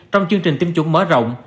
trong chương trình tiêm chủng mở rộng